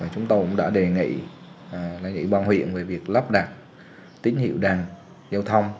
chúng tôi cũng đã đề nghị lãnh đạo ủy ban huyện về việc lắp đặt tín hiệu đàn giao thông